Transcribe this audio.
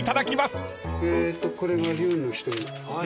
これが龍の瞳。